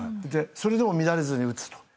それでも乱れずに打つと。